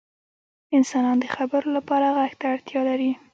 • انسانان د خبرو لپاره ږغ ته اړتیا لري.